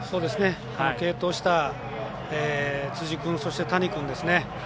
継投した辻君、そして谷君